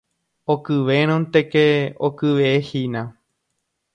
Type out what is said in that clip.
Okyvérõnteke okyvehína.